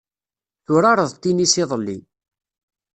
Turareḍ tinis iḍelli.